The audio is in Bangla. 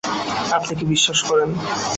আপনি কি বিশ্বাস করেন?